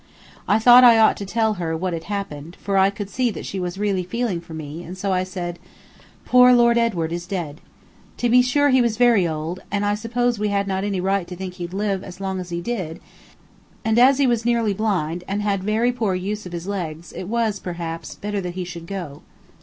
I thought I ought to tell her what had happened, for I could see that she was really feeling for me, and so I said: "Poor Lord Edward is dead. To be sure, he was very old, and I suppose we had not any right to think he'd live even as long as he did; and as he was nearly blind and had very poor use of his legs it was, perhaps, better that he should go.